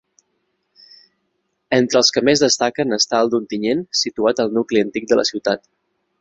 Entre els que més destaquen està el d'Ontinyent, situat al Nucli Antic de la Ciutat.